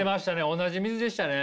同じ水でしたね。